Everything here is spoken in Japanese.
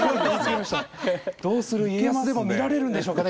「どうする家康」でも見られるんでしょうかね